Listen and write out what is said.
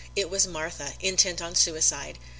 It was Martha, intent on suicide.